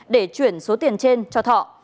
để chuyển số tiền trên cho thọ